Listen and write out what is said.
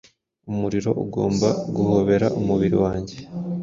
Umuriro ugomba guhobera umubiri wanjye